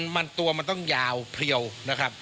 มันตัวมันต้องยาวเพลียวนะครับ